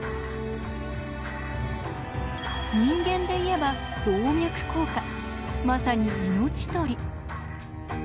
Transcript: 人間で言えば動脈硬化まさに命取り。